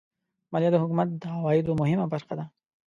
مالیه د حکومت د عوایدو مهمه برخه ده.